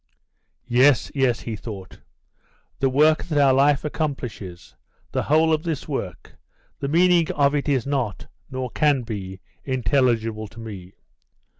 "Yes, yes," he thought. "The work that our life accomplishes, the whole of this work, the meaning of it is not, nor can be, intelligible to me.